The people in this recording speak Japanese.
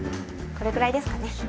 これくらいですかね。